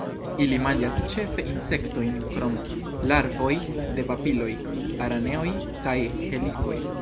Ili manĝas ĉefe insektojn krom larvoj de papilioj, araneoj kaj helikoj.